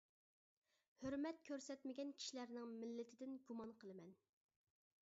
ھۆرمەت كۆرسەتمىگەن كىشىلەرنىڭ مىللىتىدىن گۇمان قىلىمەن.